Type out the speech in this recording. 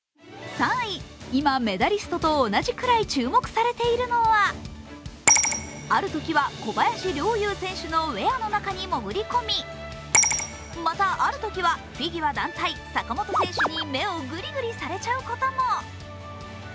今、メダリストと同じくらい注目されているのは、あるときは小林陵侑選手のウエアの中に潜り込みまたあるときはフィギュア団体・坂本選手に目をぐりぐりされちゃうことも。